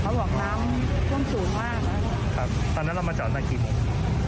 เขาบอกน้ำท่วมสูงมากแล้วครับครับตอนนั้นเรามาจอดตั้งกี่โมง